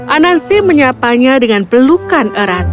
anansi menyapanya dengan pelukan erat